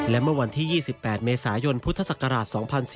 และเมื่อวันที่๒๘เมษายนพุทธศักราช๒๔